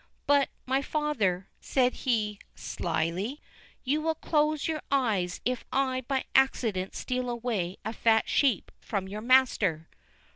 "But, my father," said he slyly, "you will close your eyes if I by accident steal away a fat sheep from your master."